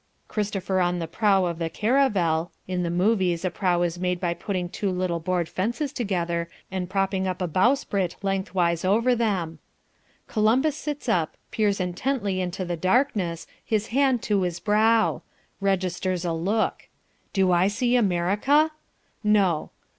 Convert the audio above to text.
Christopher in the prow of the caravel (in the movies a prow is made by putting two little board fences together and propping up a bowsprit lengthwise over them). Columbus sits up, peers intently into the darkness, his hand to his brow registers a look. Do I see America? No.